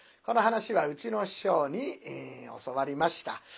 この噺はうちの師匠に教わりました。